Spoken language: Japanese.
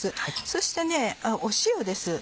そして塩です。